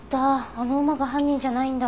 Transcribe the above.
あの馬が犯人じゃないんだ。